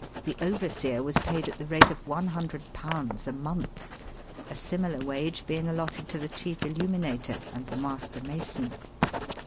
The overseer was paid at the rate of £100 a month, a similar "wage being allotted to the chief illuminator and the master mason.